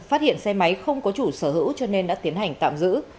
phát hiện xe máy không có chủ sở hữu cho nên đã tiến hành tạm giữ